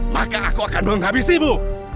maka aku akan menghabisimu